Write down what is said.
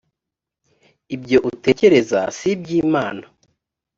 ibyo utekereza si iby’imana